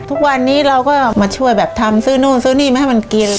ทุกวันนี้เราก็มาช่วยแบบทำซื้อนู่นซื้อนี่มาให้มันกิน